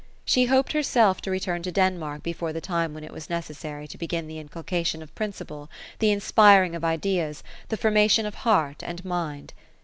She hoped herself to return to Denmark before the time when it was necessa Tj to begin the inculcation of principle, the inspiring of ideas, the forma tion of heart and mind.